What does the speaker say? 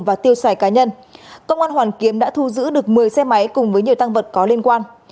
và tiêu xài cá nhân công an hoàn kiếm đã thu giữ được một mươi xe máy cùng với nhiều tăng vật có liên quan